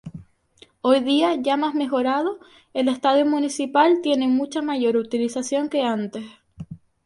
Hoy día, ya más mejorado, el Estadio Municipal tiene mucha mayor utilización que antes.